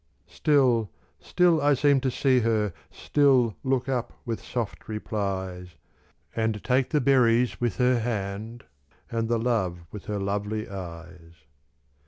Still, still I seemed to see her, still Look up with soft replies, And take the berries with her hand, And the love with her lovely eyes.